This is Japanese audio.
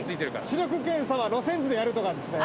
視力検査は路線図でやるとかですね！